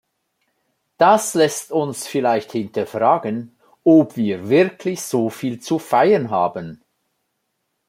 Das lässt uns vielleicht hinterfragen, ob wir wirklich so viel zu feiern haben.